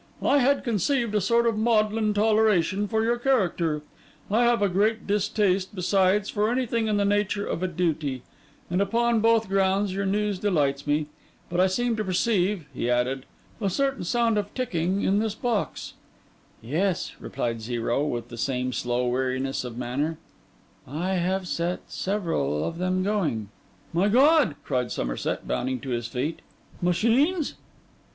'I had conceived a sort of maudlin toleration for your character; I have a great distaste, besides, for anything in the nature of a duty; and upon both grounds, your news delights me. But I seem to perceive,' he added, 'a certain sound of ticking in this box.' 'Yes,' replied Zero, with the same slow weariness of manner, 'I have set several of them going.' 'My God!' cried Somerset, bounding to his feet. 'Machines?